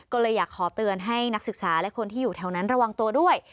ก็เลยอยากขอเตือนให้นักศึกษาและคนที่อยู่แถวนั้นระวังตัวด้วย